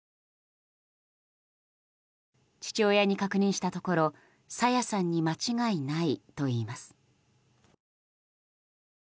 父親に確認したところ朝芽さんに間違いないといいます。